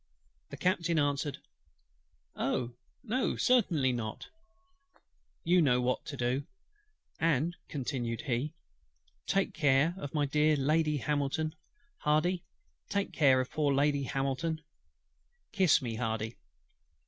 The Captain answered: "Oh! no, certainly not." "Then," replied HIS LORDSHIP, "you know what to do: and," continued he, "take care of my dear Lady HAMILTON, HARDY; take care of poor Lady HAMILTON. Kiss me, HARDY."